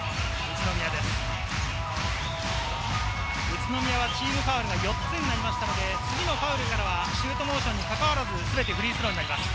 宇都宮はチームファウルが４つになりましたので、次のファウルからはシュートモーションにかかわらず、すべてフリースローになります。